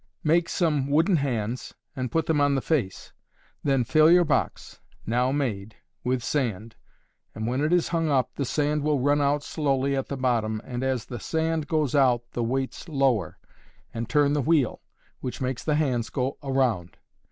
Make some wooden hands, and put them on the face. Then fill your box, now made, with sand, and when it is hung up the sand will run out slowly at the bottom, and as the sand goes out the weights lower, and turn the wheel, which makes the hands go around.